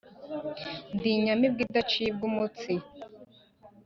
Ndi inyamibwa idacibwa umutsi